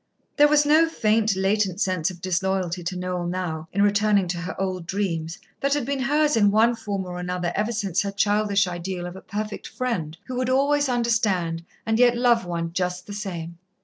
There was no faint, latent sense of disloyalty to Noel now, in returning to her old dreams, that had been hers in one form or another ever since her childish ideal of a perfect friend who would always understand, and yet love one just the same.